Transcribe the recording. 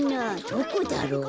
どこだろう？